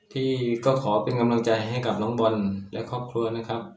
ที่ก็ขอเป็นกำลังใจให้กับน้องบอลและครอบครัวนะครับ